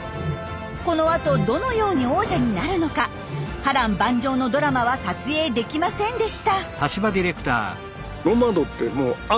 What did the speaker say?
このあとどのように王者になるのか波乱万丈のドラマは撮影できませんでした。